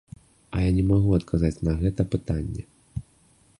А я не магу адказаць на гэта пытанне.